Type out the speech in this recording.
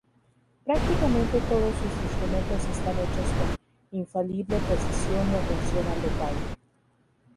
Prácticamente todos sus instrumentos están hechos con infalible precisión y atención al detalle.